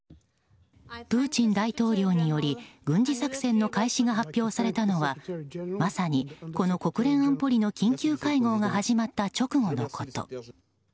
プーチン大統領により軍事作戦の開始が発表されたのはまさにこの国連安保理の緊急会合が始まった直後のこと。